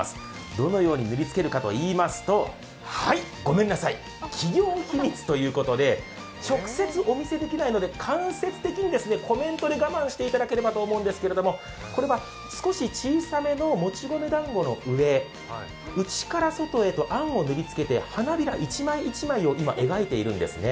どのように塗り付けるかといいますと、ごめんなさい、企業秘密ということで直接お見せできないので、間接的にコメントで我慢していただければと思いますがこれは少し小さめのもち米だんごの上、内から外へとあんをぬりつけて、１枚１枚、花びらを今、描いているんですね。